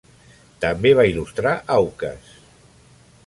També va il·lustrar auques.